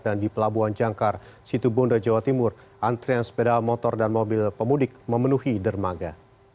dan di pelabuhan jangkar situ bunda jawa timur antrian sepeda motor dan mobil pemudik memenuhi dermaga